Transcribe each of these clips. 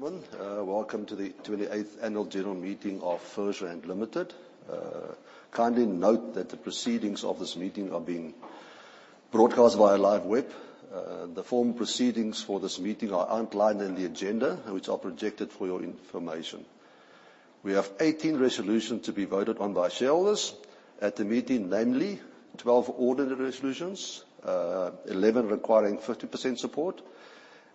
Good morning, ladies and gentlemen. Welcome to the 28th Annual General Meeting of FirstRand Limited. Kindly note that the proceedings of this meeting are being broadcast via live web. The formal proceedings for this meeting are outlined in the agenda, which I'll project for your information. We have 18 resolutions to be voted on by shareholders at the meeting, namely 12 ordinary resolutions, 11 requiring 50% support,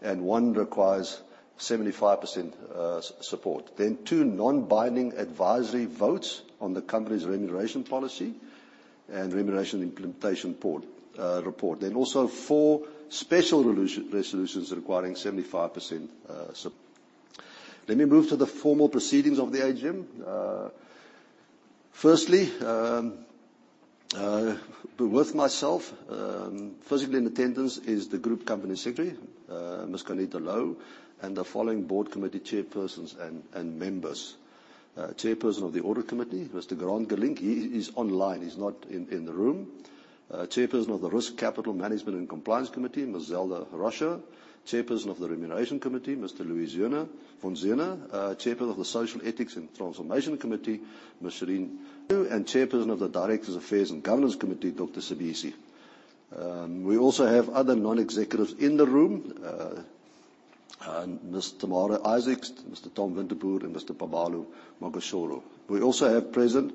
and one requires 75% support, then two non-binding advisory votes on the company's remuneration policy and remuneration implementation report, then also four special resolutions requiring 75% support. Let me move to the formal proceedings of the AGM. Firstly, with myself, physically in attendance is the Group Company Secretary, Ms. Carnita Low, and the following board committee chairpersons and members: Chairperson of the Audit Committee, Mr. Grant Gelink, he is online, he's not in the room. Chairperson of the Risk, Capital Management and Compliance Committee, Ms. Zelda Roscherr. Chairperson of the Remuneration Committee, Mr. Louis von Zeuner. Chairperson of the Social, Ethics and Transformation Committee, Ms. Shireen, and Chairperson of the Directors Affairs and Governance Committee, Dr. Sibisi. We also have other non-executives in the room: Ms. Tamara Isaacs, Mr. Thomas Winterboer, and Mr. Paballo Makosholo. We also have present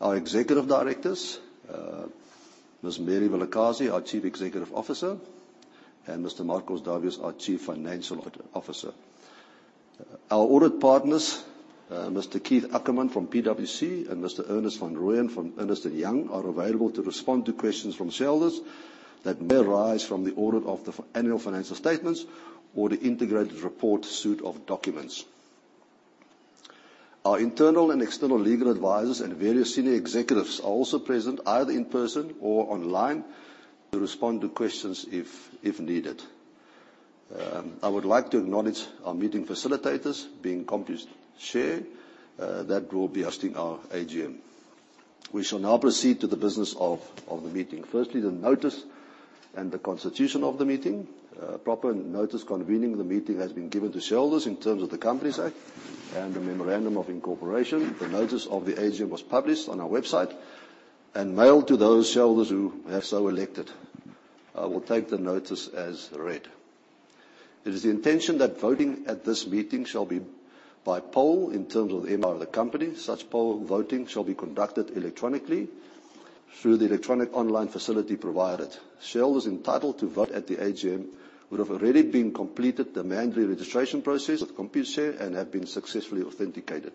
our Executive Directors, Ms. Mary Vilakazi, our Chief Executive Officer, and Mr. Markos Davias, our Chief Financial Officer. Our audit partners, Mr. Keith Ackerman from PwC and Mr. Ernest van Rooyen from Ernst & Young, are available to respond to questions from shareholders that may arise from the audit of the annual financial statements or the Integrated Report suite of documents. Our internal and external legal advisors and various senior executives are also present, either in person or online, to respond to questions if needed. I would like to acknowledge our meeting facilitators, being the Compliance Chair, that will be hosting our AGM. We shall now proceed to the business of the meeting. Firstly, the notice and the constitution of the meeting. Proper notice convening the meeting has been given to shareholders in terms of the Companies Act and the Memorandum of Incorporation. The notice of the AGM was published on our website and mailed to those shareholders who have so elected. I will take the notice as read. It is the intention that voting at this meeting shall be by poll in terms of the company. Such poll voting shall be conducted electronically through the electronic online facility provided. Shareholders entitled to vote at the AGM would have already been completed the mandatory registration process with Computershare and have been successfully authenticated.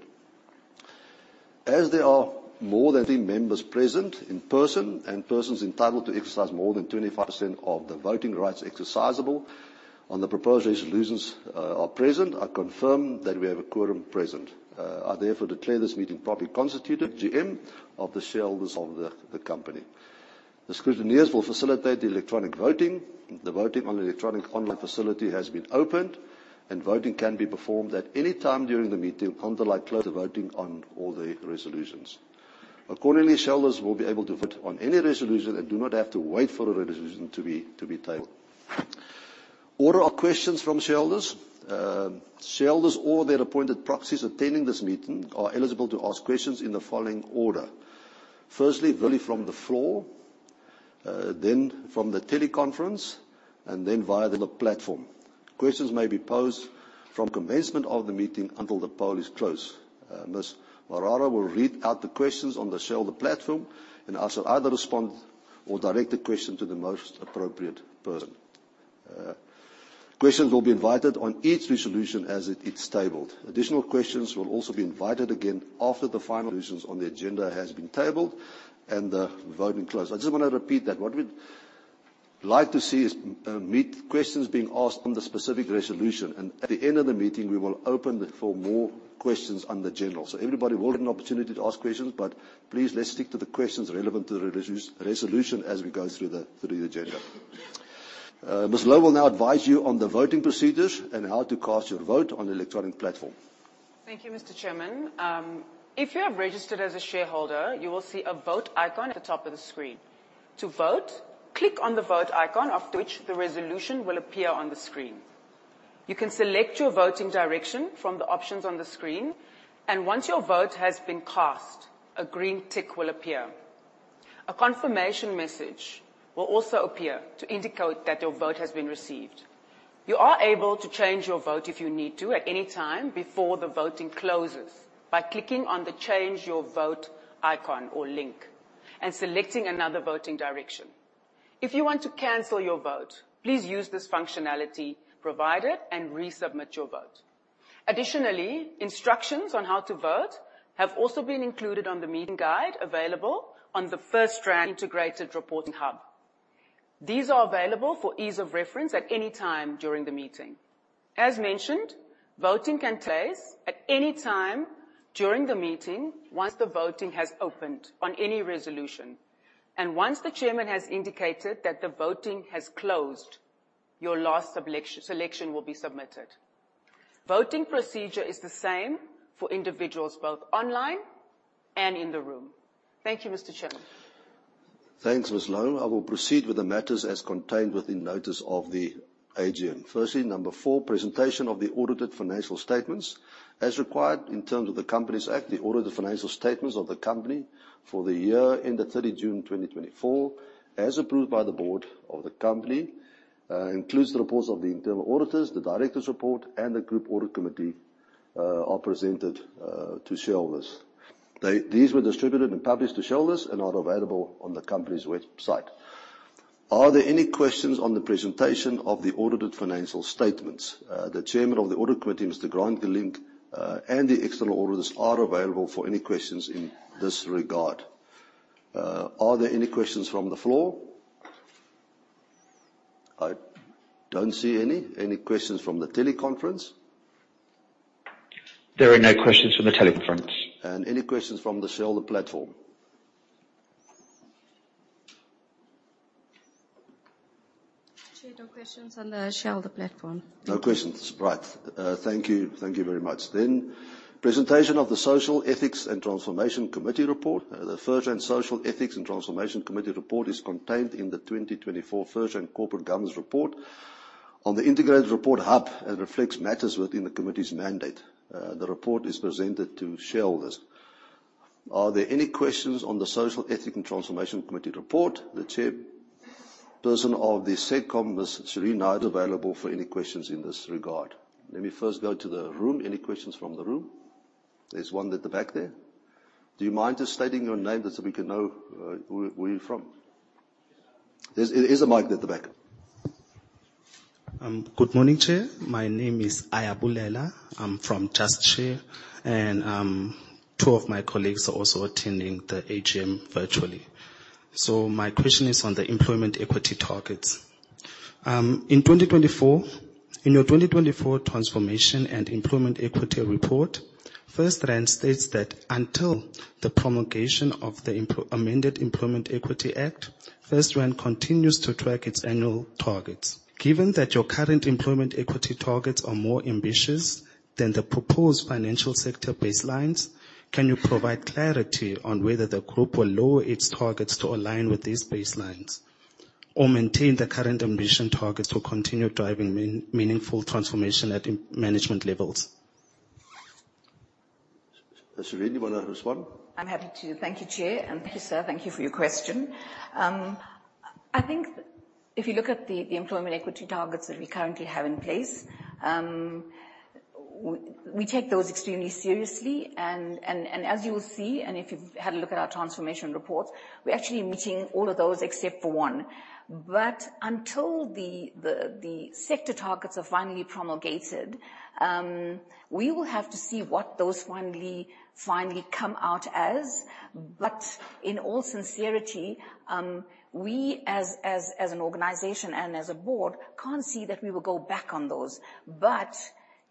As there are more than 30 members present in person and persons entitled to exercise more than 25% of the voting rights exercisable on the proposed resolutions are present, I confirm that we have a quorum present. I therefore declare this meeting properly constituted. AGM of the shareholders of the company. The scrutineers will facilitate the electronic voting. The voting on the electronic online facility has been opened, and voting can be performed at any time during the meeting until the close of voting on all the resolutions. Accordingly, shareholders will be able to vote on any resolution and do not have to wait for a resolution to be taken. Order of questions from shareholders: Shareholders or their appointed proxies attending this meeting are eligible to ask questions in the following order. Firstly, from the floor, then from the teleconference, and then via the platform. Questions may be posed from commencement of the meeting until the poll is closed. Ms. Mararo will read out the questions on the shareholder platform and I shall either respond or direct the question to the most appropriate person. Questions will be invited on each resolution as it's tabled. Additional questions will also be invited again after the final resolutions on the agenda have been tabled and the voting closed. I just want to repeat that what we'd like to see is questions being asked on the specific resolution, and at the end of the meeting, we will open for more questions under general. So everybody will have an opportunity to ask questions, but please let's stick to the questions relevant to the resolution as we go through the agenda. Ms. Low will now advise you on the voting procedures and how to cast your vote on the electronic platform. Thank you, Mr. Chairman. If you have registered as a shareholder, you will see a vote icon at the top of the screen. To vote, click on the vote icon after which the resolution will appear on the screen. You can select your voting direction from the options on the screen, and once your vote has been cast, a green tick will appear. A confirmation message will also appear to indicate that your vote has been received. You are able to change your vote if you need to at any time before the voting closes by clicking on the change your vote icon or link and selecting another voting direction. If you want to cancel your vote, please use this functionality provided and resubmit your vote. Additionally, instructions on how to vote have also been included on the meeting guide available on the FirstRand Integrated Reporting Hub. These are available for ease of reference at any time during the meeting. As mentioned, voting can take place at any time during the meeting once the voting has opened on any resolution, and once the chairman has indicated that the voting has closed, your last selection will be submitted. Voting procedure is the same for individuals both online and in the room. Thank you, Mr. Chairman. Thanks, Ms. Low. I will proceed with the matters as contained within notice of the AGM. Firstly, number four, presentation of the audited financial statements. As required in terms of the Companies Act, the audited financial statements of the company for the year ended 30 June 2024, as approved by the board of the company, includes the reports of the internal auditors, the director's report, and the group audit committee are presented to shareholders. These were distributed and published to shareholders and are available on the company's website. Are there any questions on the presentation of the audited financial statements? The chairman of the audit committee, Mr. Grant Gelink, and the external auditors are available for any questions in this regard. Are there any questions from the floor? I don't see any. Any questions from the teleconference? There are no questions from the teleconference. Any questions from the shareholder platform? Actually, no questions on the shareholder platform. No questions. Right. Thank you. Thank you very much. Then, presentation of the Social Ethics and Transformation Committee Report. The FirstRand Social Ethics and Transformation Committee Report is contained in the 2024 FirstRand Corporate Governance Report on the integrated report hub and reflects matters within the committee's mandate. The report is presented to shareholders. Are there any questions on the Social Ethics and Transformation Committee Report? The chairperson of the SECOM, Ms. Shireen, is available for any questions in this regard. Let me first go to the room. Any questions from the room? There's one at the back there. Do you mind just stating your name so we can know where you're from? There's a mic at the back. Good morning, Chair. My name is Ayabulela Quaka. I'm from Just Share, and two of my colleagues are also attending the AGM virtually. So my question is on the employment equity targets. In 2024, in your 2024 transformation and employment equity report, FirstRand states that until the promulgation of the amended Employment Equity Act, FirstRand continues to track its annual targets. Given that your current employment equity targets are more ambitious than the proposed financial sector baselines, can you provide clarity on whether the group will lower its targets to align with these baselines or maintain the current ambition targets to continue driving meaningful transformation at management levels? Shireen, you want to respond? I'm happy to. Thank you, Chair, and thank you, sir. Thank you for your question. I think if you look at the employment equity targets that we currently have in place, we take those extremely seriously, and as you will see, and if you've had a look at our transformation report, we're actually meeting all of those except for one, but until the sector targets are finally promulgated, we will have to see what those finally come out as, but in all sincerity, we as an organization and as a board can't see that we will go back on those, but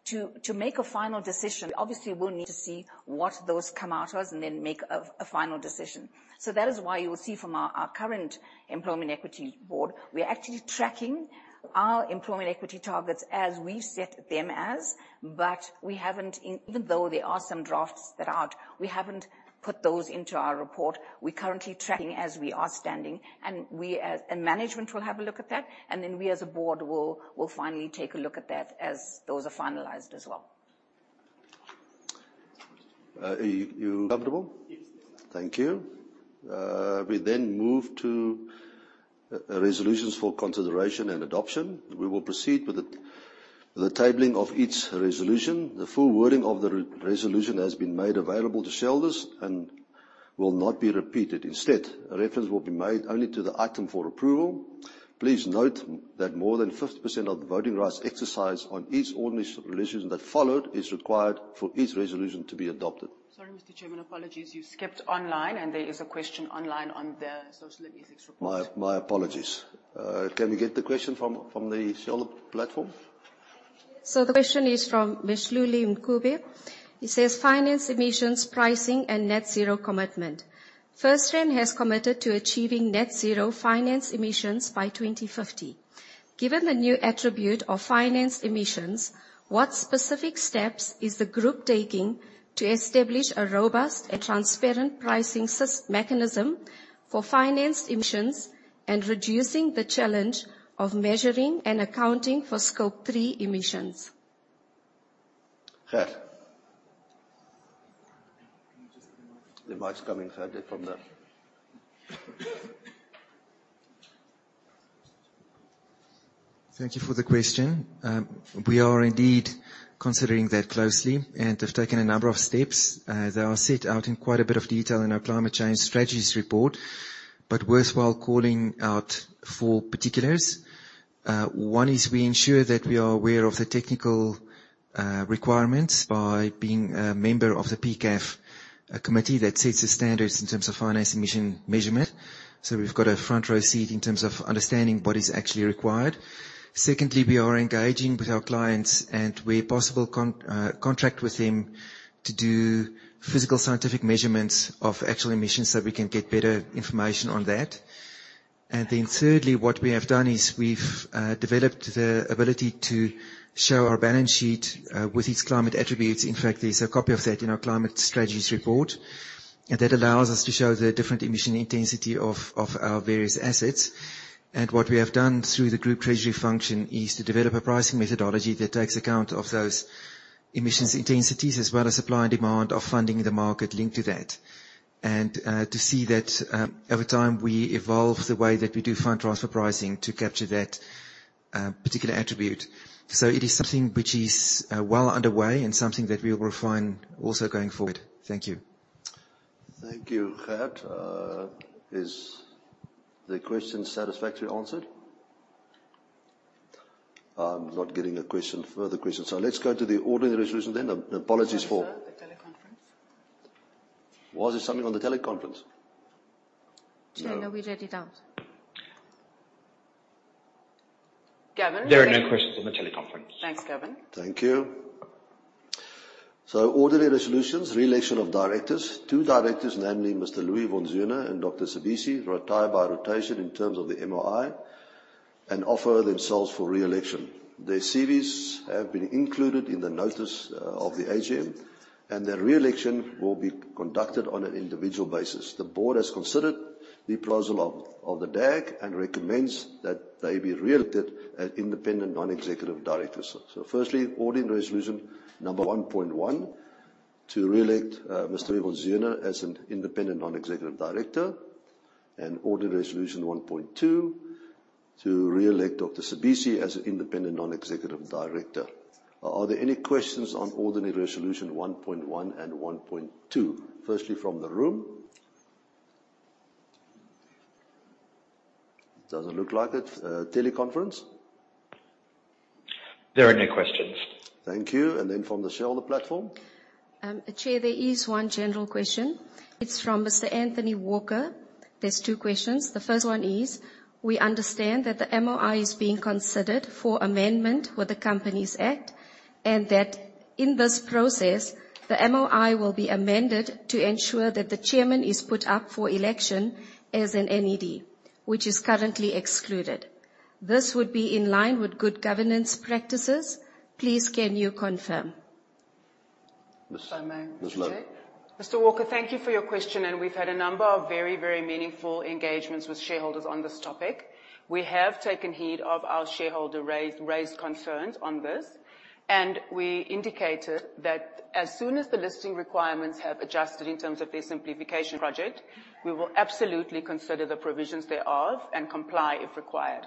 to make a final decision, we obviously will need to see what those come out as and then make a final decision. So that is why you will see from our current Employment Equity Board, we are actually tracking our employment equity targets as we set them as, but we haven't, even though there are some drafts that are out, we haven't put those into our report. We're currently tracking as we are standing, and we as management will have a look at that, and then we as a board will finally take a look at that as those are finalized as well. You. Comfortable? Yes, they are. Thank you. We then move to resolutions for consideration and adoption. We will proceed with the tabling of each resolution. The full wording of the resolution has been made available to shareholders and will not be repeated. Instead, a reference will be made only to the item for approval. Please note that more than 50% of the voting rights exercised on each ordinary resolution that followed is required for each resolution to be adopted. Sorry, Mr. Chairman, apologies. You skipped online, and there is a question online on the social and ethics report. My apologies. Can we get the question from the shareholder platform? So the question is from Ms. Lulama Mkhubo. It says, "Financed emissions pricing and net zero commitment. FirstRand has committed to achieving net zero financed emissions by 2050. Given the new attribute of financed emissions, what specific steps is the group taking to establish a robust and transparent pricing mechanism for financed emissions and reducing the challenge of measuring and accounting for Scope 3 emissions? Sir. The mic's coming further from the. Thank you for the question. We are indeed considering that closely and have taken a number of steps. They are set out in quite a bit of detail in our Climate Change Strategies Report, but it's worthwhile calling out four particulars. One is we ensure that we are aware of the technical requirements by being a member of the PCAF committee that sets the standards in terms of financed emissions measurement. So we've got a front-row seat in terms of understanding what is actually required. Secondly, we are engaging with our clients and, where possible, contract with them to do physical scientific measurements of actual emissions so we can get better information on that. And then thirdly, what we have done is we've developed the ability to show our balance sheet with its climate attributes. In fact, there's a copy of that in our Climate Strategies Report, and that allows us to show the different emission intensity of our various assets, and what we have done through the group treasury function is to develop a pricing methodology that takes account of those emissions intensities as well as supply and demand of funding in the market linked to that, and to see that over time we evolve the way that we do fund transfer pricing to capture that particular attribute, so it is something which is well underway and something that we will refine also going forward. Thank you. Thank you, Gert. Is the question satisfactorily answered? I'm not getting a further question. So let's go to the ordinary resolution then. Apologies for. What was that? The teleconference? Was there something on the teleconference? No, we read it out. Gavin. There are no questions on the teleconference. Thanks, Gavin. Thank you. So ordinary resolutions, re-election of directors. Two directors, namely Mr. Louis von Zeuner and Dr. Sibisi, retired by rotation in terms of the MOI and offer themselves for re-election. Their CVs have been included in the notice of the AGM, and their re-election will be conducted on an individual basis. The board has considered the proposal of the DAG and recommends that they be re-elected as independent non-executive directors. So firstly, ordinary resolution number 1.1 to re-elect Mr. Louis von Zeuner as an independent non-executive director, and ordinary resolution 1.2 to re-elect Dr. Sibisi as an independent non-executive director. Are there any questions on ordinary resolution 1.1 and 1.2? Firstly, from the room? Doesn't look like it. Teleconference? There are no questions. Thank you and then from the shareholder platform? Chair, there is one general question. It's from Mr. Anthony Walker. There are two questions. The first one is, we understand that the MOI is being considered for amendment with the Companies Act and that in this process, the MOI will be amended to ensure that the chairman is put up for election as an NED, which is currently excluded. This would be in line with good governance practices. Please can you confirm? Mr. Mr. Walker, thank you for your question, and we've had a number of very, very meaningful engagements with shareholders on this topic. We have taken heed of our shareholder raised concerns on this, and we indicated that as soon as the listing requirements have adjusted in terms of their simplification project, we will absolutely consider the provisions thereof and comply if required.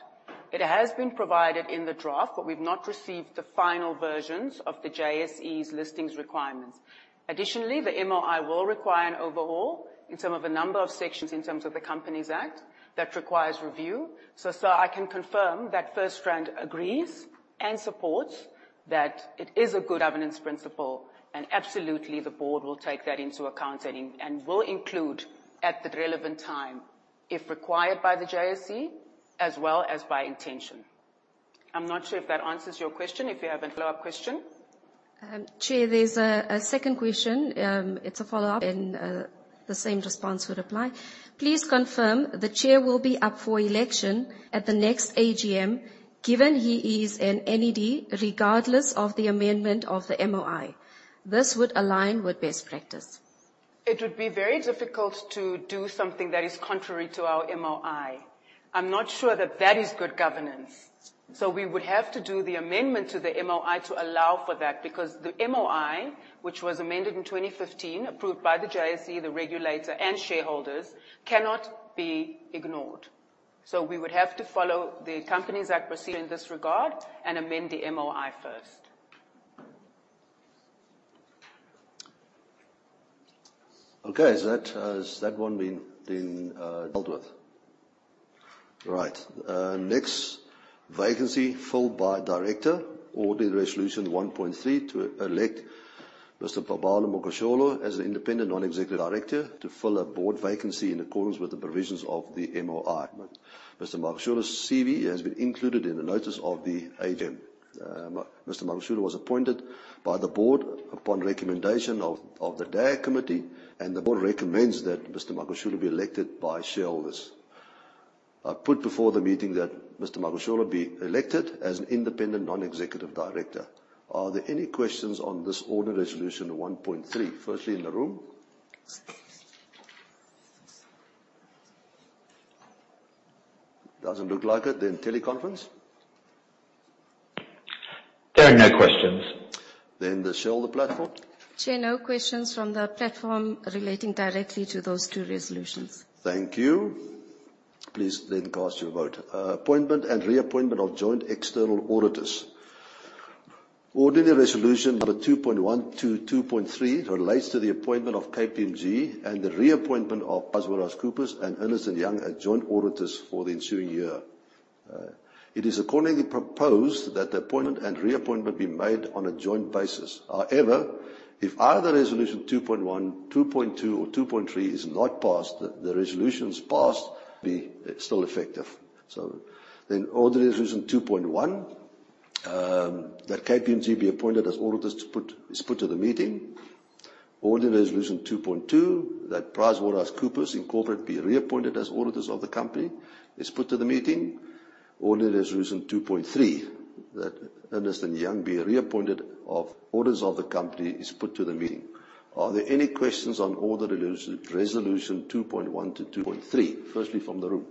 It has been provided in the draft, but we've not received the final versions of the JSE's listings requirements. Additionally, the MOI will require an overhaul in some of a number of sections in terms of the Companies Act that requires review, so I can confirm that FirstRand agrees and supports that it is a good governance principle, and absolutely the board will take that into account and will include at the relevant time if required by the JSE as well as by intention. I'm not sure if that answers your question. If you have a follow-up question? Chair, there's a second question. It's a follow-up in the same response would apply. Please confirm the chair will be up for election at the next AGM given he is an NED regardless of the amendment of the MOI. This would align with best practice. It would be very difficult to do something that is contrary to our MOI. I'm not sure that that is good governance. So we would have to do the amendment to the MOI to allow for that because the MOI, which was amended in 2015, approved by the JSE, the regulator, and shareholders, cannot be ignored. So we would have to follow the Companies Act procedure in this regard and amend the MOI first. Okay. Is that one been dealt with? Right. Next, vacancy filled by director, ordinary resolution 1.3 to elect Mr. Paballo Makosholo as an independent non-executive director to fill a board vacancy in accordance with the provisions of the MOI. Mr. Makosholo's CV has been included in the notice of the AGM. Mr. Makosholo was appointed by the board upon recommendation of the DAG committee, and the board recommends that Mr. Makosholo be elected by shareholders. I put before the meeting that Mr. Makosholo be elected as an independent non-executive director. Are there any questions on this ordinary resolution 1.3? Firstly, in the room? Doesn't look like it. Then, teleconference? There are no questions. Then, the shareholder platform? Chair, no questions from the platform relating directly to those two resolutions. Thank you. Please then cast your vote. Appointment and reappointment of joint external auditors. Ordinary resolution 2.1 to 2.3 relates to the appointment of KPMG and the reappointment of PricewaterhouseCoopers and Ernst & Young as joint auditors for the ensuing year. It is accordingly proposed that the appointment and reappointment be made on a joint basis. However, if either resolution 2.1, 2.2, or 2.3 is not passed, the resolutions passed be still effective. So then, ordinary resolution 2.1 that KPMG be appointed as auditors is put to the meeting. Ordinary resolution 2.2 that PricewaterhouseCoopers Incorporated be reappointed as auditors of the company is put to the meeting. Ordinary resolution 2.3 that Ernst & Young be reappointed as auditors of the company is put to the meeting. Are there any questions on ordinary resolution 2.1 to 2.3? Firstly, from the room?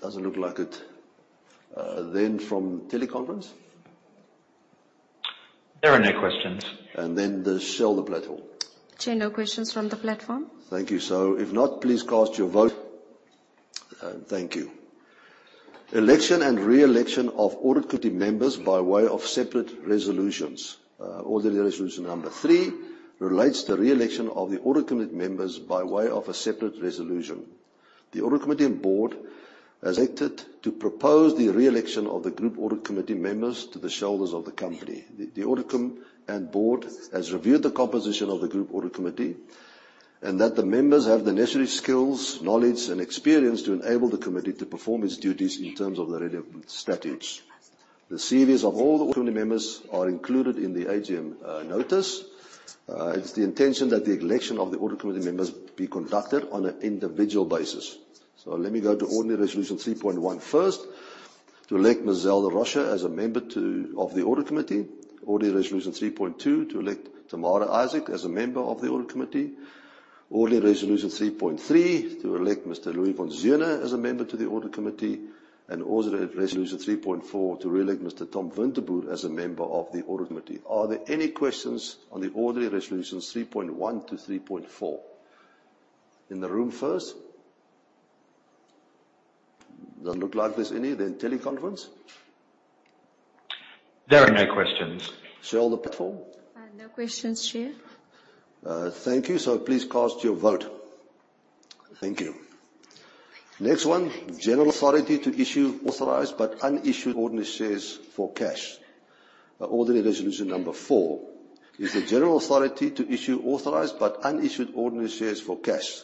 Doesn't look like it. Then, from teleconference? There are no questions. And then, the shareholder platform. Chair, no questions from the platform. Thank you. So if not, please cast your vote. Thank you. Election and reelection of audit committee members by way of separate resolutions. Ordinary resolution number three relates to reelection of the audit committee members by way of a separate resolution. The audit committee and board has elected to propose the reelection of the group audit committee members to the shareholders of the company. The audit committee and board has reviewed the composition of the group audit committee and that the members have the necessary skills, knowledge, and experience to enable the committee to perform its duties in terms of the relevant statutes. The résumés of all audit committee members are included in the AGM notice. It is the intention that the election of the audit committee members be conducted on an individual basis. So let me go to ordinary resolution 3.1 first to elect Ms. Zelda Roscherr as a member of the Audit Committee. Ordinary Resolution 3.2 to elect Tamara Isaacs as a member of the Audit Committee. Ordinary Resolution 3.3 to elect Mr. Louis von Zeuner as a member to the Audit Committee, and Ordinary Resolution 3.4 to reelect Mr. Tom Winterboer as a member of the Audit Committee. Are there any questions on the Ordinary Resolutions 3.1 to 3.4? In the room first? Doesn't look like there's any. Then, teleconference? There are no questions. Shareholder platform? No questions, Chair. Thank you. So please cast your vote. Thank you. Next one, general authority to issue authorized but unissued ordinary shares for cash. Ordinary resolution number four is the general authority to issue authorized but unissued ordinary shares for cash.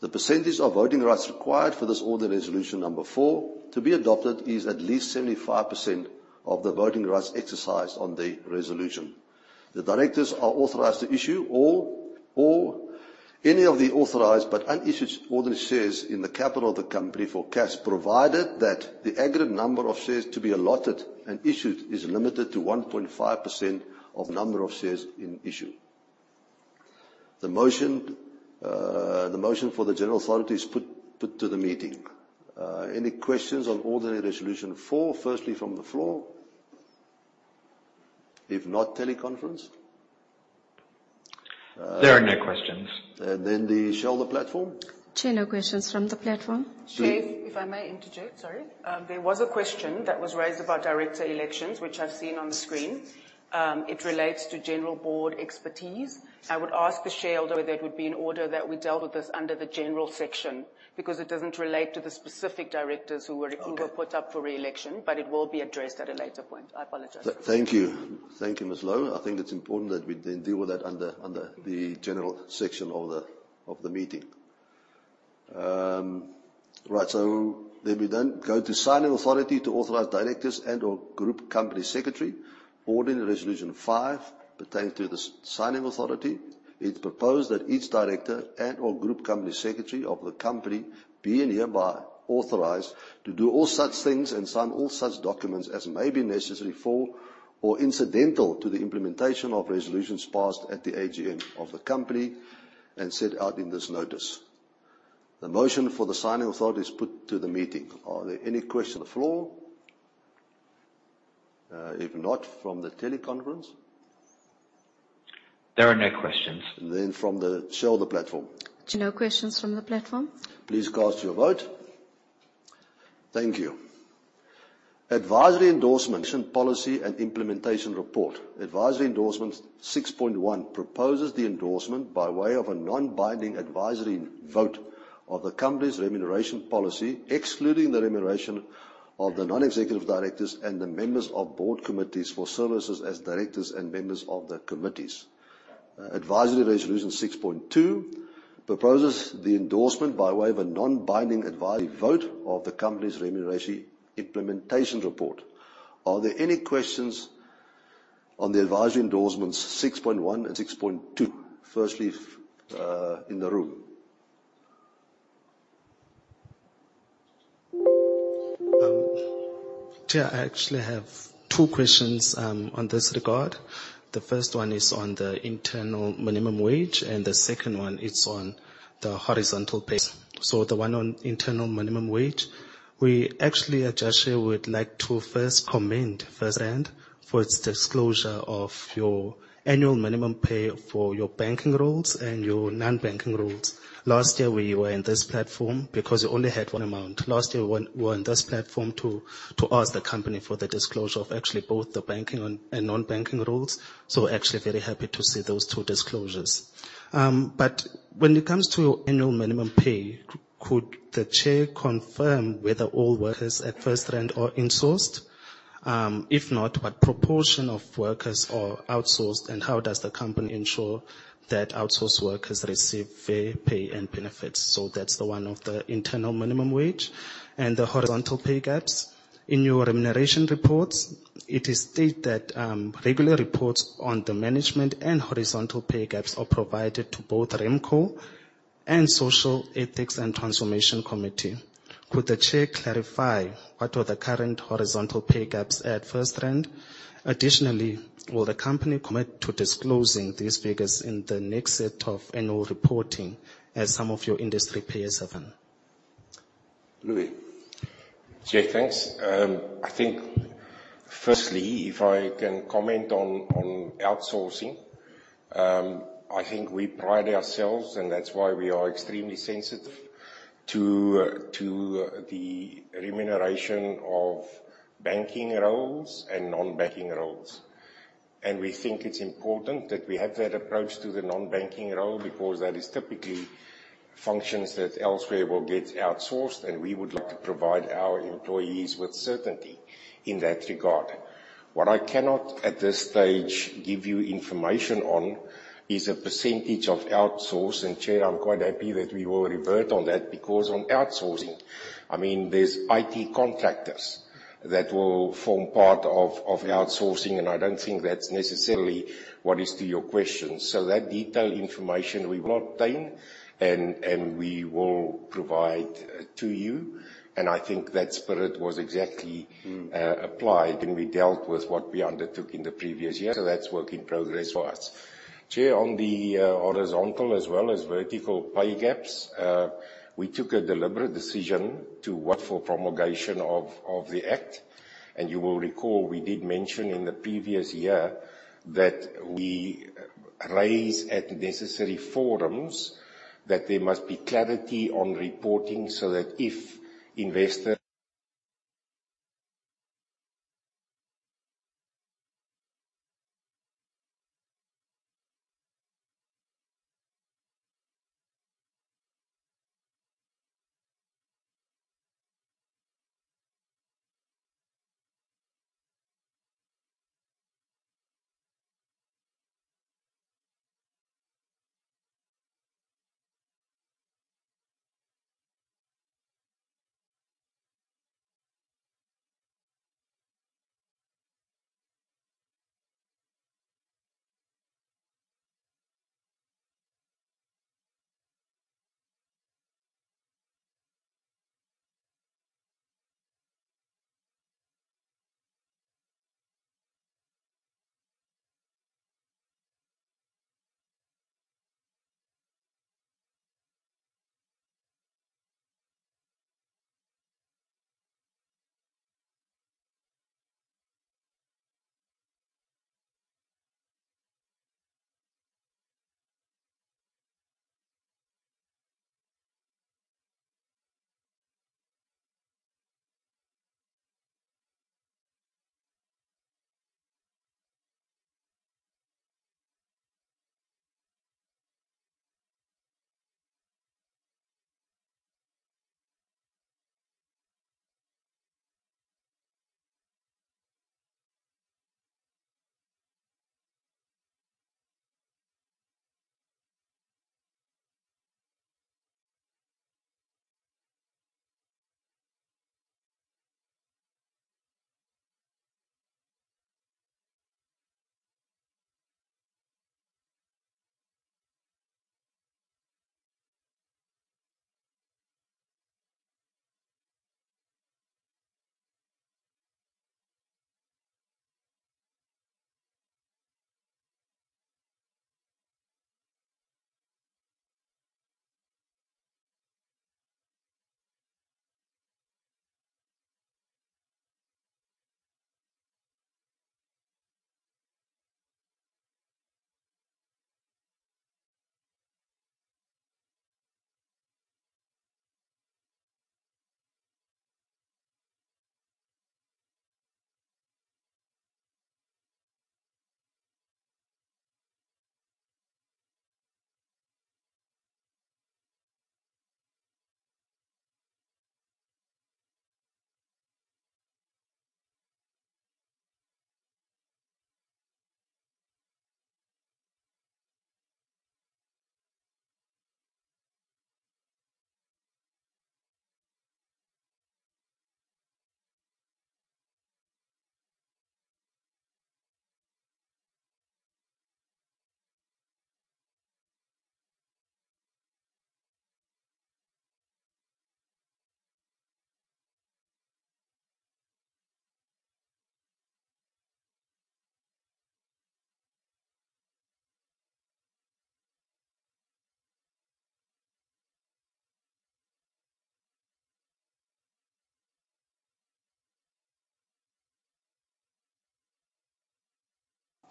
The percentage of voting rights required for this ordinary resolution number four to be adopted is at least 75% of the voting rights exercised on the resolution. The directors are authorized to issue all or any of the authorized but unissued ordinary shares in the capital of the company for cash, provided that the aggregate number of shares to be allotted and issued is limited to 1.5% of the number of shares in issue. The motion for the general authority is put to the meeting. Any questions on ordinary resolution four? Firstly, from the floor? If not, teleconference? There are no questions. And then, the shareholder platform? Chair, no questions from the platform. Chair, if I may interject, sorry. There was a question that was raised about director elections, which I've seen on the screen. It relates to general board expertise. I would ask the shareholder whether it would be in order that we dealt with this under the general section because it doesn't relate to the specific directors who were put up for reelection, but it will be addressed at a later point. I apologize. Thank you. Thank you, Ms. Low. I think it's important that we then deal with that under the general section of the meeting. Right. So then we then go to signing authority to authorize directors and/or Group Company Secretary. Ordinary Resolution five pertains to the signing authority. It proposed that each director and/or Group Company Secretary of the company be and hereby authorized to do all such things and sign all such documents as may be necessary for or incidental to the implementation of resolutions passed at the AGM of the company and set out in this notice. The motion for the signing authority is put to the meeting. Are there any questions from the floor? If not, from the teleconference? There are no questions. Then, from the shareholder platform? Chair, no questions from the platform. Please cast your vote. Thank you. Advisory endorsement, policy and implementation report. Advisory endorsement 6.1 proposes the endorsement by way of a non-binding advisory vote of the company's remuneration policy, excluding the remuneration of the non-executive directors and the members of board committees for services as directors and members of the committees. Advisory resolution 6.2 proposes the endorsement by way of a non-binding advisory vote of the company's remuneration implementation report. Are there any questions on the advisory endorsements 6.1 and 6.2? Firstly, in the room? Chair, I actually have two questions in this regard. The first one is on the internal minimum wage, and the second one is on the horizontal pay. So the one on internal minimum wage, we actually, Hitesh Kalan, would like to first commend FirstRand for its disclosure of your annual minimum pay for your banking roles and your non-banking roles. Last year, we were in this platform because you only had one amount. Last year, we were in this platform to ask the company for the disclosure of actually both the banking and non-banking roles. So actually, very happy to see those two disclosures. But when it comes to annual minimum pay, could the chair confirm whether all workers at FirstRand are insourced? If not, what proportion of workers are outsourced, and how does the company ensure that outsourced workers receive fair pay and benefits? That's one of the internal minimum wage and the horizontal pay gaps. In your remuneration reports, it is stated that regular reports on the management and horizontal pay gaps are provided to both Remco and Social, Ethics and Transformation Committee. Could the chair clarify what are the current horizontal pay gaps at FirstRand? Additionally, will the company commit to disclosing these figures in the next set of annual reporting as some of your industry peers have? Louis? Chair, thanks. I think firstly, if I can comment on outsourcing, I think we pride ourselves, and that's why we are extremely sensitive to the remuneration of banking roles and non-banking roles, and we think it's important that we have that approach to the non-banking role because that is typically functions that elsewhere will get outsourced, and we would like to provide our employees with certainty in that regard. What I cannot at this stage give you information on is a percentage of outsourced, and Chair, I'm quite happy that we will revert on that because on outsourcing, I mean, there's IT contractors that will form part of outsourcing, and I don't think that's necessarily what is to your question, so that detailed information, we will obtain, and we will provide to you. And I think that spirit was exactly applied when we dealt with what we undertook in the previous year. So that's work in progress for us. Chair, on the horizontal as well as vertical pay gaps, we took a deliberate decision to work for promulgation of the act. And you will recall we did mention in the previous year that we raise at necessary forums that there must be clarity on reporting so that if investors.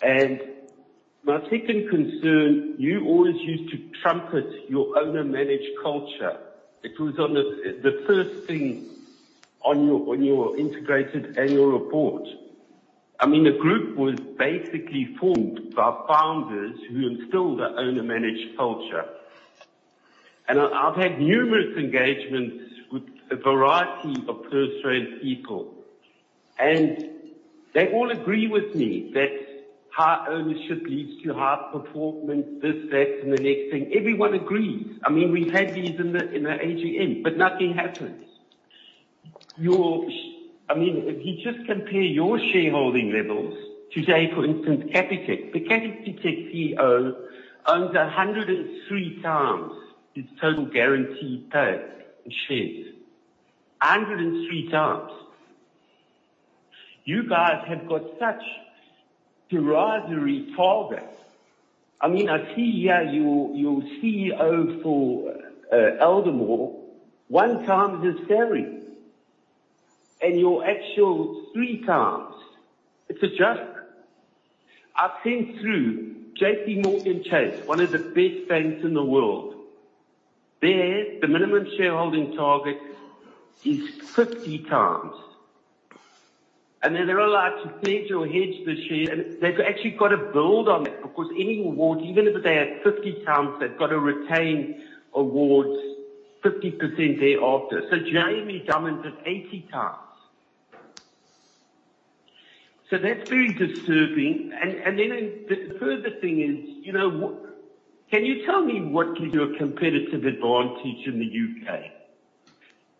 My main concern, you always used to trumpet your owner-managed culture. It was the first thing on your integrated annual report. I mean, the group was basically formed by founders who instilled the owner-managed culture. I've had numerous engagements with a variety of FirstRand people, and they all agree with me that high ownership leads to high performance, this, that, and the next thing. Everyone agrees. I mean, we've had these in the AGM, but nothing happens. I mean, if you just compare your shareholding levels, today, for instance, Capitec, the Capitec CEO owns 103 times his total guaranteed pay in shares. 103 times. You guys have got such derisory targets. I mean, I see here your CEO for Aldermore one times his salary, and your actual three times, it's a joke. I've seen through J.P. Morgan Chase, one of the big banks in the world, their minimum shareholding target is 50 times. And then they're allowed to pledge or hedge the shares, and they've actually got to build on that because any award, even if they had 50 times, they've got to retain awards 50% thereafter. So Jamie commented 80 times. So that's very disturbing. And then the further thing is, can you tell me what gives you a competitive advantage in the U.K.?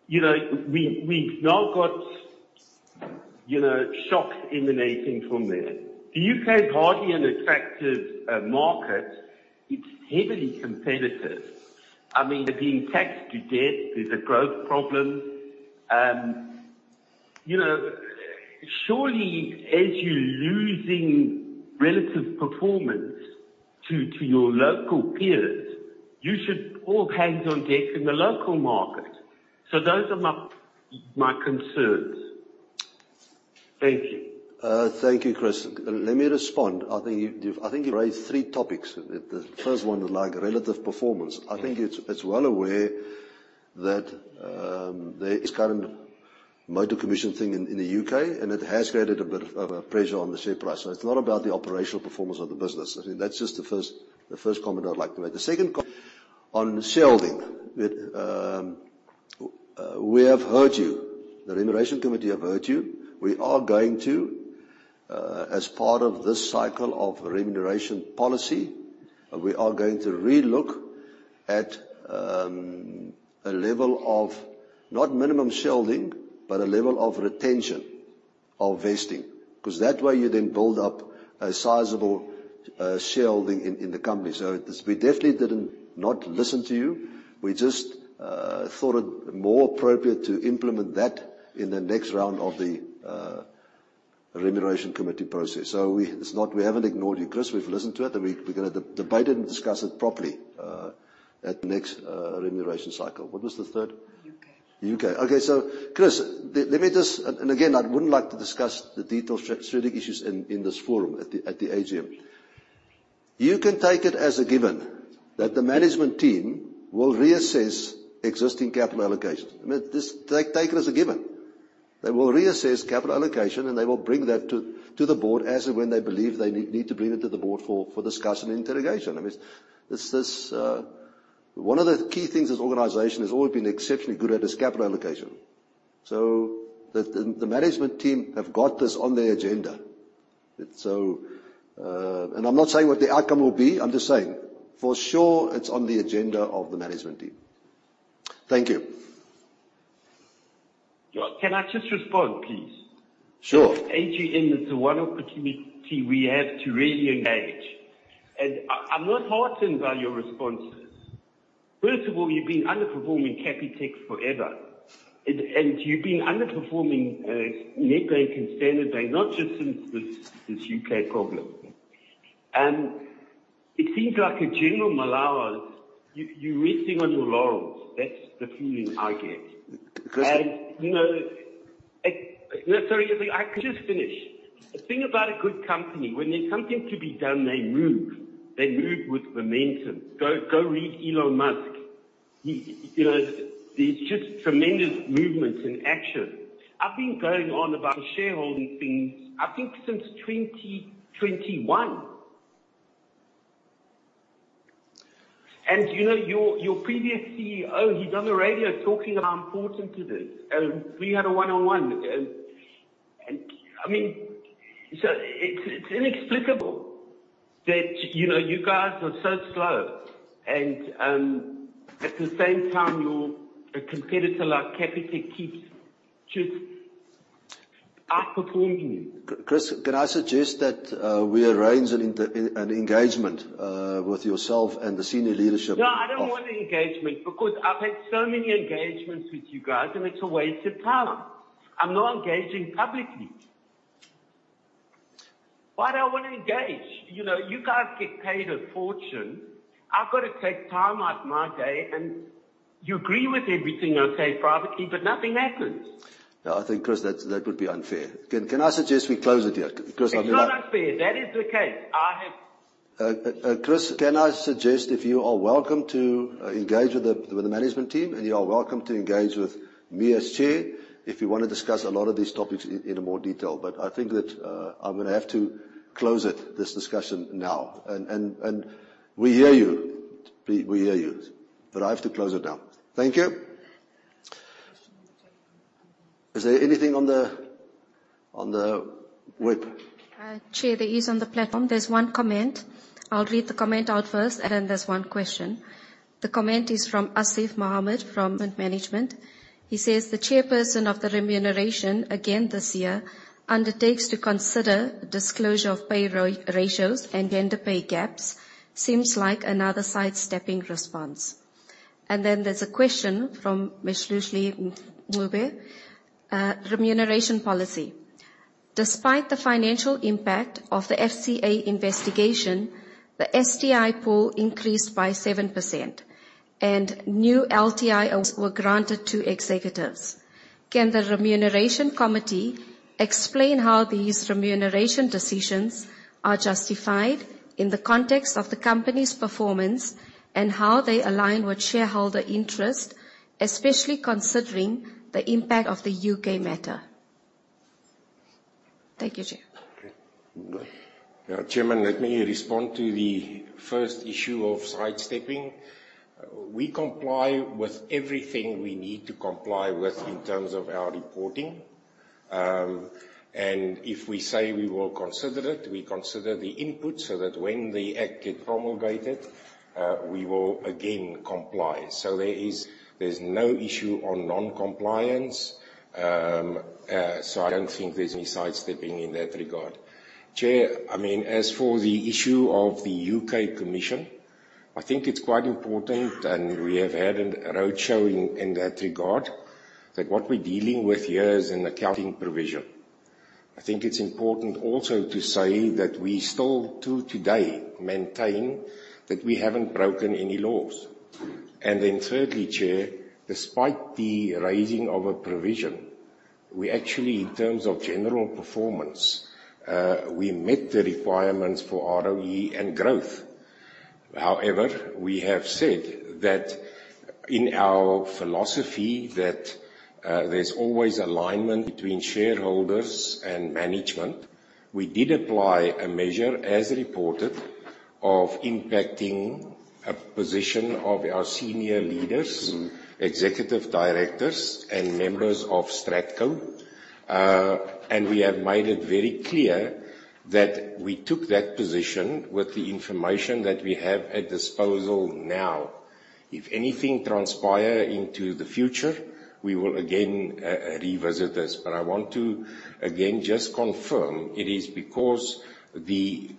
We've now got shocks emanating from there. The U.K. is hardly an attractive market. It's heavily competitive. I mean, they're being taxed to death. There's a growth problem. Surely, as you're losing relative performance to your local peers, you should put all hands on deck in the local market. So those are my concerns. Thank you. Thank you, Chris. Let me respond. I think you've raised three topics. The first one is relative performance. I think it's well aware that there is a current motor commission thing in the U.K., and it has created a bit of a pressure on the share price. So it's not about the operational performance of the business. I think that's just the first comment I'd like to make. The second on shareholding. We have heard you. The remuneration committee have heard you. We are going to, as part of this cycle of remuneration policy, we are going to relook at a level of not minimum shareholding, but a level of retention of vesting because that way you then build up a sizable shareholding in the company. So we definitely did listen to you. We just thought it more appropriate to implement that in the next round of the Remuneration Committee process. So we haven't ignored you, Chris. We've listened to it, and we're going to debate it and discuss it properly at the next remuneration cycle. What was the third? UK. U.K. Okay. So, Chris, let me just, and again, I wouldn't like to discuss the detailed strategic issues in this forum at the AGM. You can take it as a given that the management team will reassess existing capital allocation. Take it as a given. They will reassess capital allocation, and they will bring that to the board as and when they believe they need to bring it to the board for discussion and interrogation. I mean, one of the key things this organization has always been exceptionally good at is capital allocation. So the management team have got this on their agenda. And I'm not saying what the outcome will be. I'm just saying, for sure, it's on the agenda of the management team. Thank you. Can I just respond, please? Sure. AGM is the one opportunity we have to really engage. I'm not heartened by your responses. First of all, you've been underperforming Capitec forever. You've been underperforming Nedbank and Standard Bank, not just since this UK problem. It seems like a general malaise. You're resting on your laurels. That's the feeling I get. Sorry, I can just finish. The thing about a good company, when there's something to be done, they move. They move with momentum. Go read Elon Musk. There's just tremendous movement and action. I've been going on about the shareholding thing, I think, since 2021. Your previous CEO, he's on the radio talking how important it is. We had a one-on-one. I mean, so it's inexplicable that you guys are so slow, and at the same time, your competitor like Capitec keeps just outperforming you. Chris, can I suggest that we arrange an engagement with yourself and the senior leadership? No, I don't want an engagement because I've had so many engagements with you guys, and it's a waste of time. I'm not engaging publicly. Why do I want to engage? You guys get paid a fortune. I've got to take time out of my day, and you agree with everything I say privately, but nothing happens. No, I think, Chris, that would be unfair. Can I suggest we close it here? Because I'm not. It's not unfair. That is the case. I have. Chris, can I suggest if you are welcome to engage with the management team, and you are welcome to engage with me as Chair if you want to discuss a lot of these topics in more detail. But I think that I'm going to have to close this discussion now and we hear you. We hear you but I have to close it now. Thank you. Is there anything on the whip? Chair, there is on the platform. There's one comment. I'll read the comment out first, and then there's one question. The comment is from Asief Mohamed from management. He says, "The chairperson of the remuneration again this year undertakes to consider disclosure of pay ratios and gender pay gaps. Seems like another sidestepping response." And then there's a question from Ms. Lulama Mkhubo, remuneration policy. Despite the financial impact of the FCA investigation, the STI pool increased by 7%, and new LTI were granted to executives. Can the remuneration committee explain how these remuneration decisions are justified in the context of the company's performance and how they align with shareholder interest, especially considering the impact of the UK matter? Thank you, Chair. Chairman, let me respond to the first issue of sidestepping. We comply with everything we need to comply with in terms of our reporting. And if we say we will consider it, we consider the input so that when the act gets promulgated, we will again comply. So there's no issue on non-compliance. So I don't think there's any sidestepping in that regard. Chair, I mean, as for the issue of the UK commission, I think it's quite important, and we have had a roadshow in that regard, that what we're dealing with here is an accounting provision. I think it's important also to say that we still, to today, maintain that we haven't broken any laws. And then thirdly, Chair, despite the raising of a provision, we actually, in terms of general performance, we met the requirements for ROE and growth. However, we have said that in our philosophy that there's always alignment between shareholders and management. We did apply a measure, as reported, of impacting a position of our senior leaders, executive directors, and members of Stratco. And we have made it very clear that we took that position with the information that we have at disposal now. If anything transpires into the future, we will again revisit this. But I want to again just confirm it is because the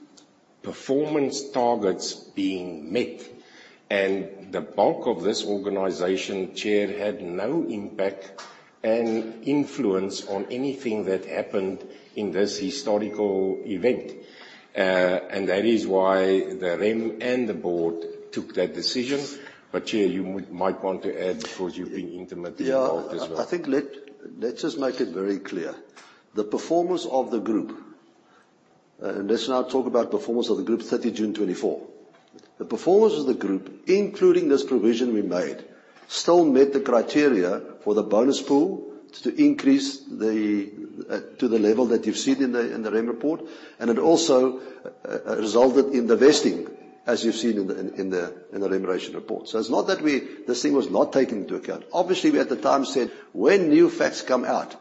performance targets being met and the bulk of this organization, Chair, had no impact and influence on anything that happened in this historical event. And that is why the REM and the board took that decision. But Chair, you might want to add because you've been intimately involved as well. Yeah. I think let's just make it very clear. The performance of the group, and let's now talk about performance of the group 30 June 2024. The performance of the group, including this provision we made, still met the criteria for the bonus pool to increase to the level that you've seen in the remuneration report, and it also resulted in the vesting, as you've seen in the remuneration report. So it's not that this thing was not taken into account. Obviously, we at the time said, "When new facts come out,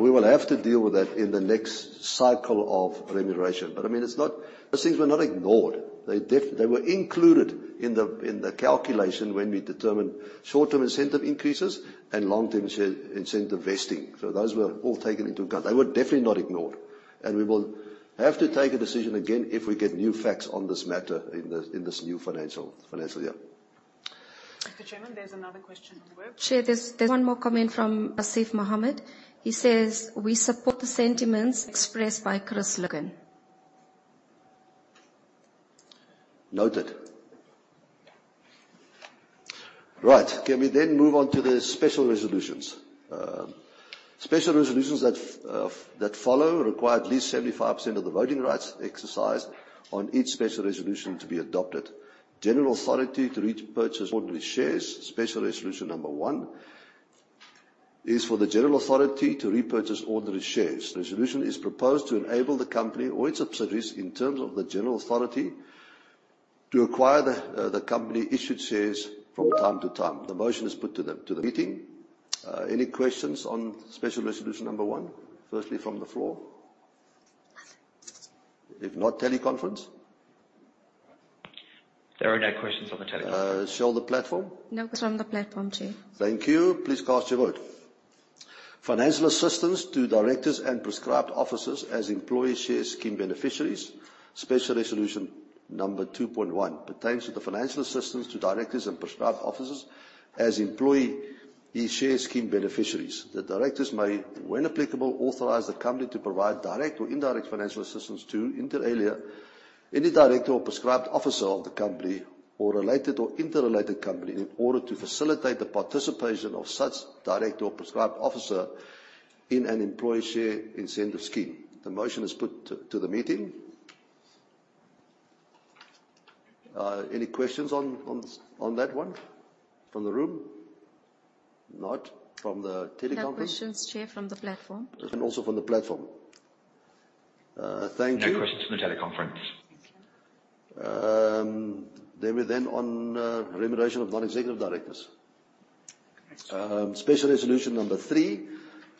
we will have to deal with that in the next cycle of remuneration." But I mean, those things were not ignored. They were included in the calculation when we determined short-term incentive increases and long-term incentive vesting. So those were all taken into account. They were definitely not ignored. We will have to take a decision again if we get new facts on this matter in this new financial year. Mr. Chairman, there's another question on the web. Chair, there's one more comment from Asief Mohamed. He says, "We support the sentiments expressed by Chris Logan. Noted. Right. Can we then move on to the special resolutions? Special resolutions that follow require at least 75% of the voting rights exercised on each special resolution to be adopted. General authority to repurchase ordinary shares, special resolution number one, is for the general authority to repurchase ordinary shares. The resolution is proposed to enable the company or its subsidiaries in terms of the general authority to acquire the company-issued shares from time to time. The motion is put to the meeting. Any questions on special resolution number one? Firstly, from the floor? If not, teleconference? There are no questions on the teleconference. Shall the platform? No, from the platform, Chair. Thank you. Please cast your vote. Financial assistance to directors and prescribed officers as employee share scheme beneficiaries, Special Resolution Number 2.1. Pertains to the financial assistance to directors and prescribed officers as employee share scheme beneficiaries. The directors may, when applicable, authorize the company to provide direct or indirect financial assistance to, inter alia, any director or prescribed officer of the company or related or interrelated company in order to facilitate the participation of such director or prescribed officer in an employee share incentive scheme. The motion is put to the meeting. Any questions on that one from the room? Not from the teleconference? No questions, Chair, from the platform. Also from the platform. Thank you. No questions from the teleconference. We're then on remuneration of non-executive directors. Special resolution number three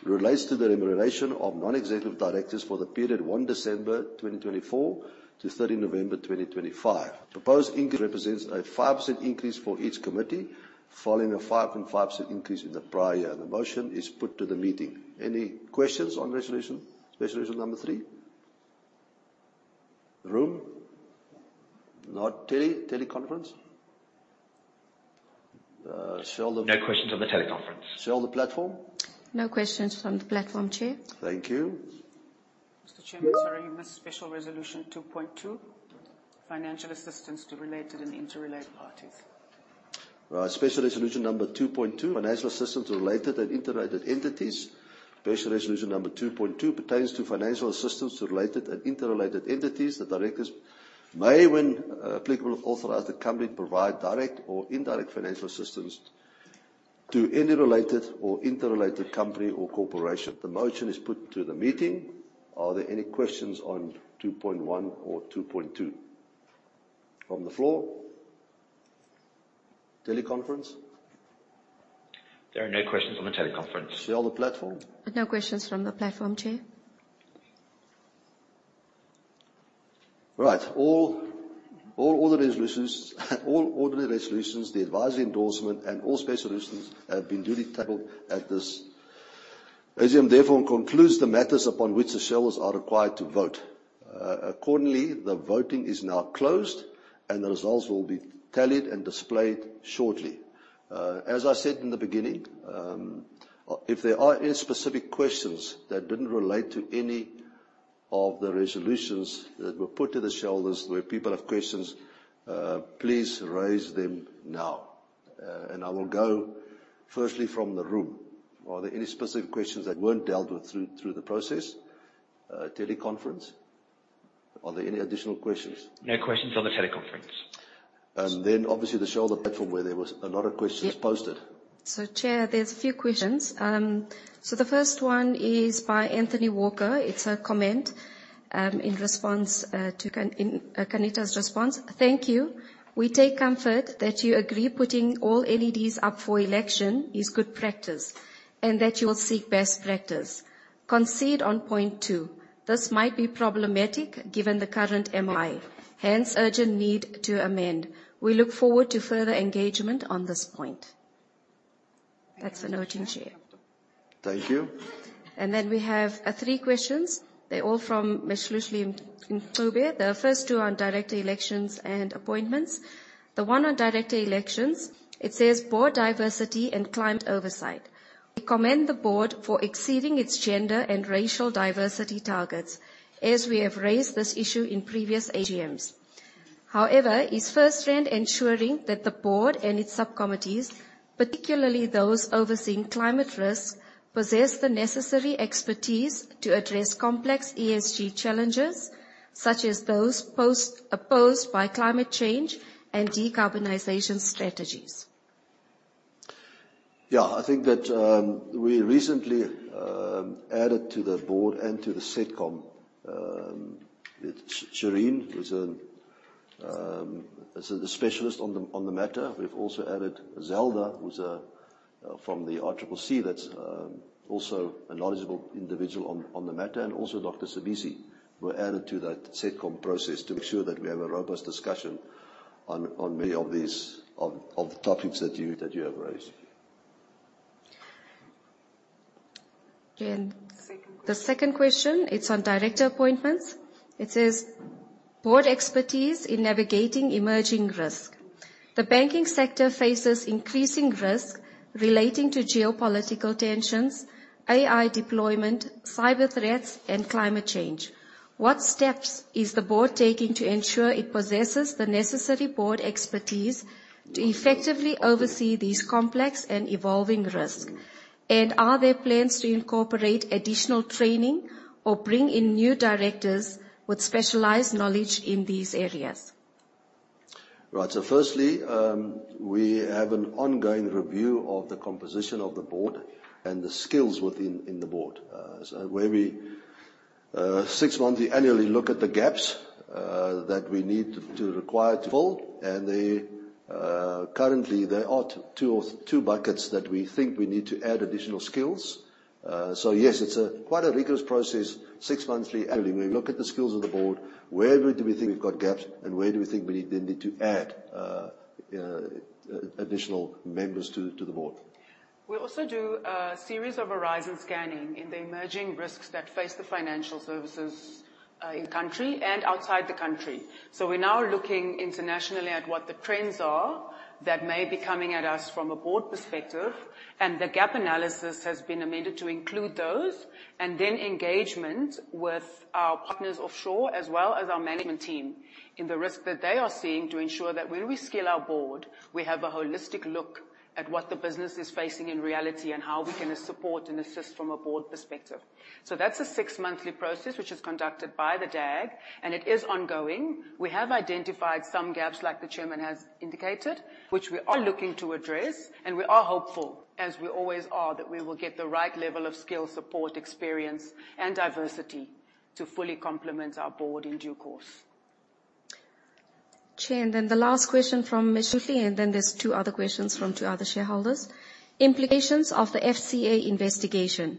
relates to the remuneration of non-executive directors for the period 1 December 2024 to 30 November 2025. Proposed increase represents a 5% increase for each committee following a 5.5% increase in the prior year. The motion is put to the meeting. Any questions on resolution number three? Room? Not teleconference? No questions on the teleconference. Shall the platform? No questions from the platform, Chair. Thank you. Mr. Chairman, sorry, special resolution 2.2, financial assistance to related and interrelated parties. Special resolution number 2.2, financial assistance to related and interrelated entities. Special resolution number 2.2 pertains to financial assistance to related and interrelated entities. The directors may, when applicable, authorize the company to provide direct or indirect financial assistance to any related or interrelated company or corporation. The motion is put to the meeting. Are there any questions on 2.1 or 2.2? From the floor? Teleconference? There are no questions on the teleconference. Shall the platform? No questions from the platform, Chair. Right. All ordinary resolutions, the advisory endorsement, and all special resolutions have been duly tackled at this AGM, therefore concludes the matters upon which the shareholders are required to vote. Accordingly, the voting is now closed, and the results will be tallied and displayed shortly. As I said in the beginning, if there are any specific questions that didn't relate to any of the resolutions that were put to the shareholders where people have questions, please raise them now. And I will go firstly from the room. Are there any specific questions that weren't dealt with through the process? Teleconference? Are there any additional questions? No questions on the teleconference. And then, obviously, the shell of the platform where there were a lot of questions posted. So, Chair, there's a few questions. So the first one is by Anthony Walker. It's a comment in response to Carnita's response. Thank you. We take comfort that you agree putting all NEDs up for election is good practice and that you will seek best practice. Concede on point two. This might be problematic given the current MOI. Hence, urgent need to amend. We look forward to further engagement on this point. That's the note, Chair. Thank you. And then we have three questions. They're all from Ms. Lulama Mkhubo. The first two are on director elections and appointments. The one on director elections, it says, "Board diversity and climate oversight. We commend the board for exceeding its gender and racial diversity targets as we have raised this issue in previous AGMs. However, is FirstRand ensuring that the board and its subcommittees, particularly those overseeing climate risk, possess the necessary expertise to address complex ESG challenges such as those posed by climate change and decarbonization strategies? Yeah. I think that we recently added to the board and to the SETCOM, Shireen, who's a specialist on the matter. We've also added Zelda, who's from the RCCC, that's also a knowledgeable individual on the matter, and also Dr. Sibisi were added to that SETCOM process to make sure that we have a robust discussion on many of these topics that you have raised. The second question, it's on director appointments. It says, "Board expertise in navigating emerging risk. The banking sector faces increasing risk relating to geopolitical tensions, AI deployment, cyber threats, and climate change. What steps is the board taking to ensure it possesses the necessary board expertise to effectively oversee these complex and evolving risks? And are there plans to incorporate additional training or bring in new directors with specialized knowledge in these areas? Right. So firstly, we have an ongoing review of the composition of the board and the skills within the board. So where we six monthly annually look at the gaps that we need to require to fill. And currently, there are two buckets that we think we need to add additional skills. So yes, it's quite a rigorous process. Six monthly annually, we look at the skills of the board, where do we think we've got gaps, and where do we think we need to add additional members to the board? We also do a series of horizon scanning in the emerging risks that face the financial services in the country and outside the country. So we're now looking internationally at what the trends are that may be coming at us from a board perspective. And the gap analysis has been amended to include those and then engagement with our partners offshore as well as our management team in the risk that they are seeing to ensure that when we skill our board, we have a holistic look at what the business is facing in reality and how we can support and assist from a board perspective. So that's a six-monthly process which is conducted by the DAG, and it is ongoing. We have identified some gaps like the chairman has indicated, which we are looking to address, and we are hopeful, as we always are, that we will get the right level of skill, support, experience, and diversity to fully complement our board in due course. Chair, and then the last question from Ms. Mkhubo, and then there's two other questions from two other shareholders. Implications of the FCA investigation.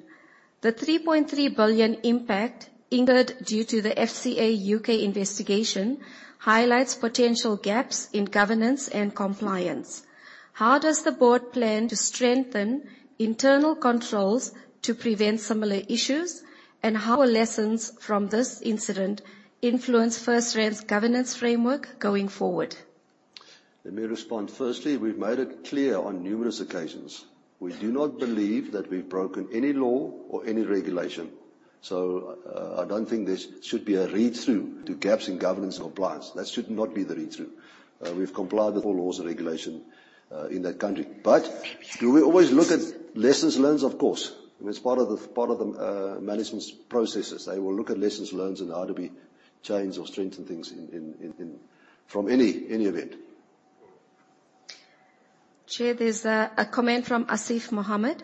The 3.3 billion impact incurred due to the FCA U.K. investigation highlights potential gaps in governance and compliance. How does the board plan to strengthen internal controls to prevent similar issues, and how will lessons from this incident influence FirstRand governance framework going forward? Let me respond. Firstly, we've made it clear on numerous occasions. We do not believe that we've broken any law or any regulation. So I don't think there should be a read-through to gaps in governance compliance. That should not be the read-through. We've complied with all laws and regulations in that country. But do we always look at lessons learned? Of course. I mean, it's part of the management's processes. They will look at lessons learned and how to change or strengthen things from any event. Chair, there's a comment from Asief Mohamed.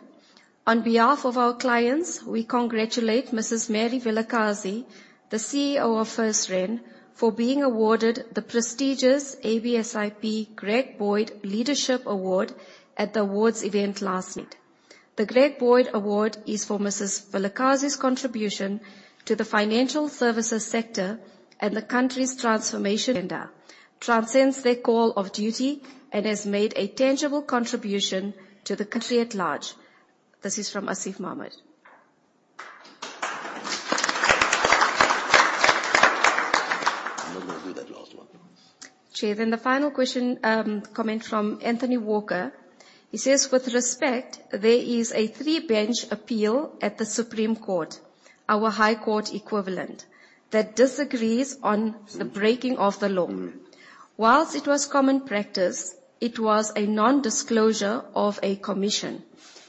On behalf of our clients, we congratulate Mrs. Mary Vilakazi, the CEO of FirstRand, for being awarded the prestigious ABSIP Greg Boyd Leadership Award at the awards event last night. The Greg Boyd Award is for Mrs. Vilakazi's contribution to the financial services sector and the country's transformation agenda, transcends their call of duty, and has made a tangible contribution to the country at large. This is from Asief Mohamed. I'm not going to do that last one. Chair, then the final comment from Anthony Walker. He says, "With respect, there is a three-bench appeal at the Supreme Court, our high court equivalent, that disagrees on the breaking of the law. Whilst it was common practice, it was a non-disclosure of a commission.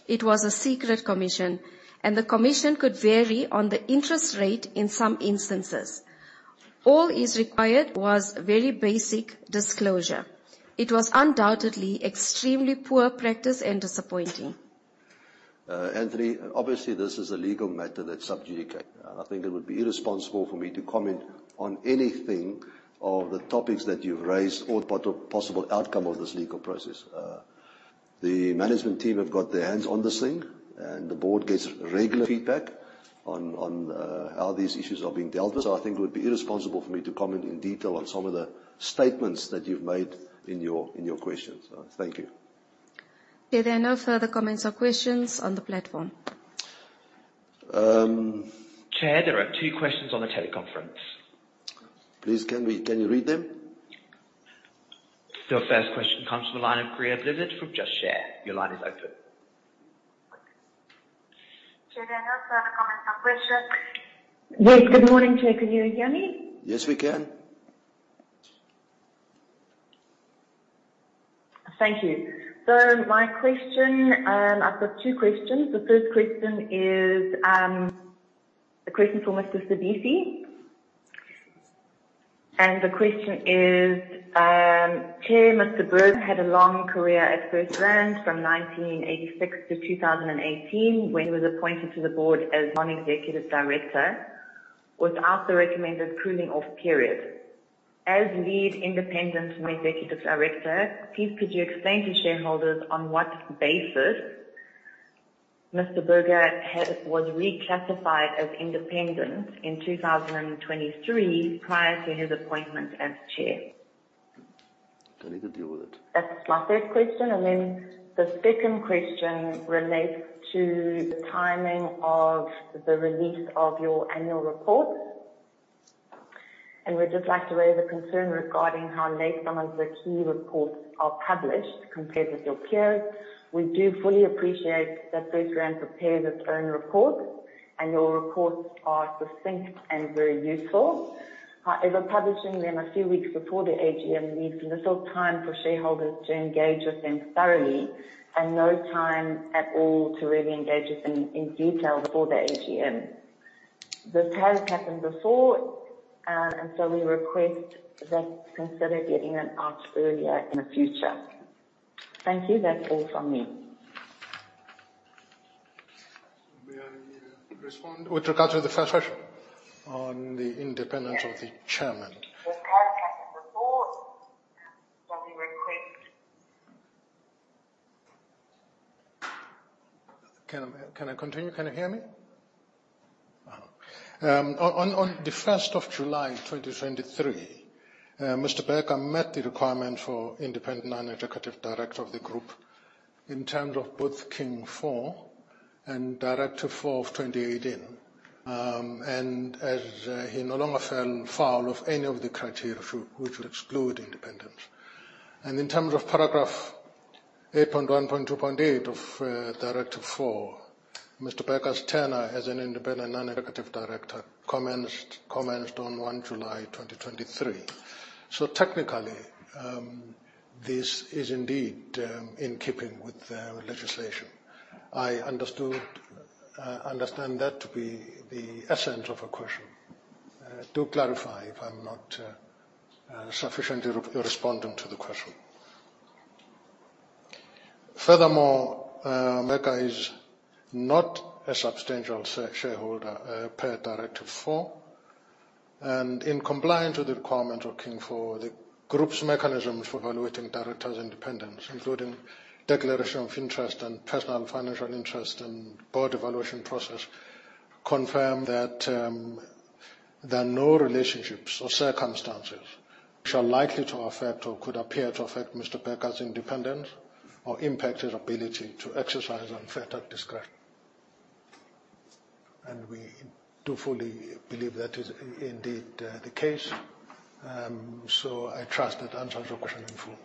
It was a secret commission, and the commission could vary on the interest rate in some instances. All is required. Was very basic disclosure. It was undoubtedly extremely poor practice and disappointing. Anthony, obviously, this is a legal matter that's subject to your custody. I think it would be irresponsible for me to comment on anything of the topics that you've raised or possible outcome of this legal process. The management team have got their hands on this thing, and the board gets regular feedback on how these issues are being dealt with. So I think it would be irresponsible for me to comment in detail on some of the statements that you've made in your questions. Thank you. Yeah, there are no further comments or questions on the platform. Chair, there are two questions on the teleconference. Please, can you read them? Your first question comes from the line of Emma Schuster from Just Share. Your line is open. Chair, there are no further comments or questions. Yes, good morning, Chair. Can you hear me? Yes, we can. Thank you. So my question, I've got two questions. The first question is a question for Dr. Sibisi. And the question is, Chair, Mr. Burger had a long career at FirstRand from 1986 to 2018 when he was appointed to the board as non-executive director without the recommended cooling-off period. As lead independent non-executive director, please could you explain to shareholders on what basis Mr. Burger was reclassified as independent in 2023 prior to his appointment as chair? I need to deal with it. That's my first question. And then the second question relates to the timing of the release of your annual report. And we'd just like to raise a concern regarding how late some of the key reports are published compared with your peers. We do fully appreciate that FirstRand prepares its own reports, and your reports are succinct and very useful. However, publishing them a few weeks before the AGM leaves little time for shareholders to engage with them thoroughly and no time at all to really engage with them in detail before the AGM. This has happened before, and so we request that you consider getting them out earlier in the future. Thank you. That's all from me. May I respond with regard to the first question on the independence of the chairman? The paragraph of the report that we request. Can I continue? Can you hear me? On the 1st of July 2023, Mr. Burger met the requirement for independent non-executive director of the group in terms of both King IV and of 2018. And as he no longer fell foul of any of the criteria which would exclude independence. And in terms of paragraph 8.1.2.8 of King IV, Mr. Burger's tenure as an independent non-executive director commenced on 1 July 2023. So technically, this is indeed in keeping with the legislation. I understand that to be the essence of a question. Do clarify if I'm not sufficiently responding to the question. Furthermore, Burger is not a substantial shareholder per King IV. In compliance with the requirement of King IV, the group's mechanisms for evaluating directors' independence, including declaration of interest and personal financial interest and board evaluation process, confirm that there are no relationships or circumstances which are likely to affect or could appear to affect Mr. Burger's independence or impact his ability to exercise unfettered discretion. We do fully believe that is indeed the case. I trust that answers your question in full.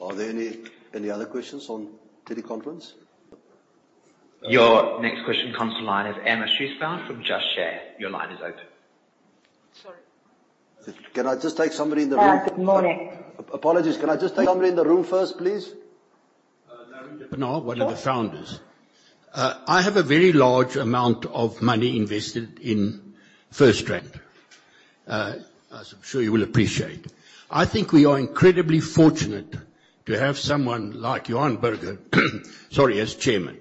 Are there any other questions on teleconference? Your next question, caller line of Emma Schuster from Just Share. Your line is open. Sorry. Can I just take somebody in the room? Good morning. Apologies. Can I just take somebody in the room first, please? Larry Gibson. No, one of the founders. I have a very large amount of money invested in FirstRand. I'm sure you will appreciate. I think we are incredibly fortunate to have someone like Johan Burger, sorry, as chairman.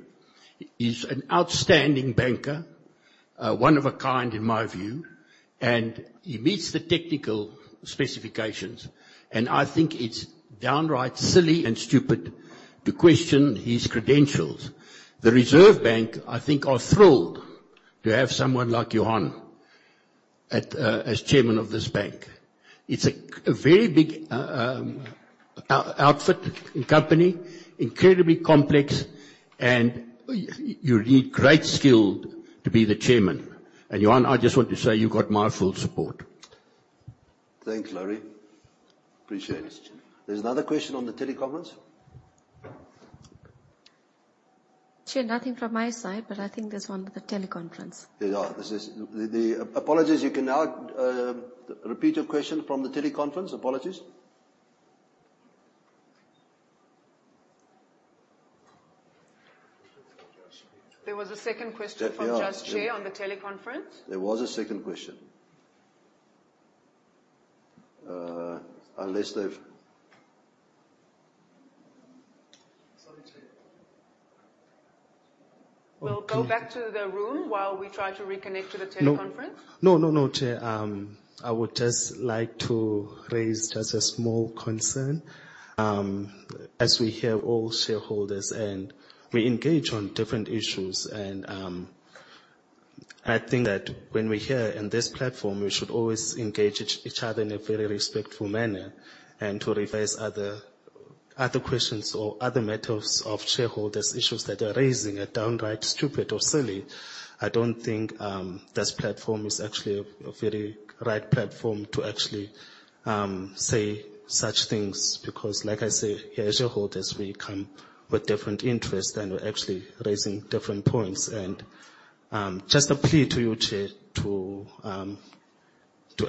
He's an outstanding banker, one of a kind in my view, and he meets the technical specifications, and I think it's downright silly and stupid to question his credentials. The Reserve Bank, I think, are thrilled to have someone like Johan as chairman of this bank. It's a very big outfit and company, incredibly complex, and you need great skill to be the chairman, and Johan, I just want to say you've got my full support. Thanks, Laurie. Appreciate it. There's another question on the teleconference? Chair, nothing from my side, but I think there's one on the teleconference. There are. Apologies, you can now repeat your question from the teleconference? Apologies. There was a second question from Just Share on the teleconference. There was a second question. Unless they've. Sorry, Chair. We'll go back to the room while we try to reconnect to the teleconference. No, no, no, Chair. I would just like to raise just a small concern. As we hear all shareholders, and we engage on different issues, and I think that when we hear on this platform, we should always engage each other in a very respectful manner, and to raise other questions or other matters of shareholders' issues that they're raising are downright stupid or silly, I don't think this platform is actually a very right platform to actually say such things. Because, like I say, as shareholders, we come with different interests and we're actually raising different points, and just a plea to you, Chair, to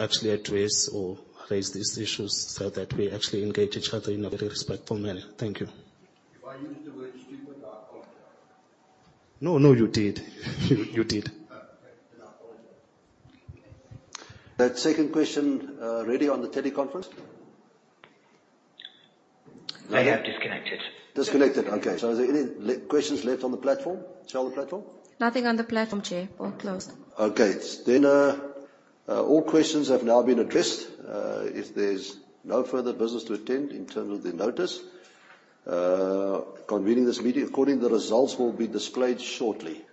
actually address or raise these issues so that we actually engage each other in a very respectful manner. Thank you. If I used the word stupid, I apologize. No, no, you did. You did. Okay. Then I apologize. That second question ready on the teleconference? I am disconnected. Disconnected. Okay. So are there any questions left on the platform? Share on the platform? Nothing on the platform, Chair. All closed. Okay. Then all questions have now been addressed. If there's no further business to attend in terms of the notice, convening this meeting according to the results will be displayed shortly.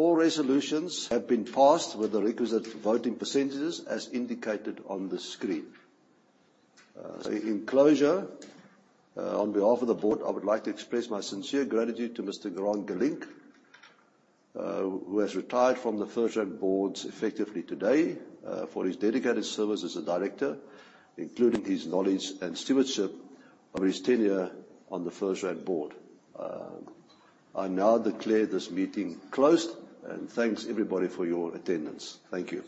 All resolutions have been passed with the requisite voting percentages as indicated on the screen. In closure, on behalf of the board, I would like to express my sincere gratitude to Mr. Grant Gelink, who has retired from the FirstRand board effectively today for his dedicated service as a director, including his knowledge and stewardship over his tenure on the FirstRand board. I now declare this meeting closed and thanks everybody for your attendance. Thank you.